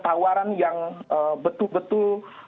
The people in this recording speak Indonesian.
tawaran yang betul betul